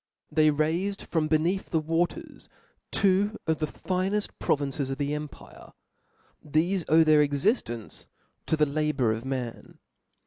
They raifed from beneath the waters two of the fineft provinces of the empire ; thefe owe their exiftence to the labour of man.